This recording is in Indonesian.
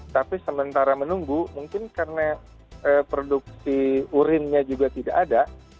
tapi sementara menunggu mungkin karena produksi urinnya juga tidak ada